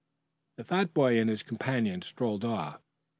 The fat boy and his companion strolled off.